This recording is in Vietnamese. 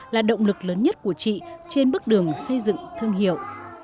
là động lực lớn nhất của chị trên bước đường xây dựng thương hiệu